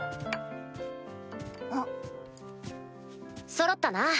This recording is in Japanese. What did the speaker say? そろったな。